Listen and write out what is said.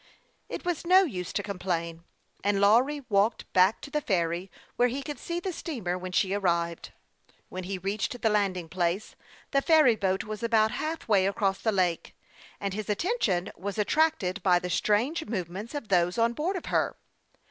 It was no use to complain, and Lawry walked back to the ferry, where he could see the steamer when she arrived. When he reached the landing place, the ferry boat was about half way across the lake, and his attention wafe attracted by the strange move THE YOUNG PILOT OF LA.KE CHAMPLAIN. 45 merits of those on board of her.